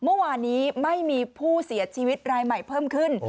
เมื่อวานนี้ไม่มีผู้เสียชีวิตรายใหม่เพิ่มขึ้น